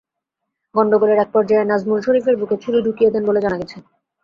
গণ্ডগোলের একপর্যায়ে নাজমুল শরীফের বুকে ছুরি ঢুকিয়ে দেন বলে জানা গেছে।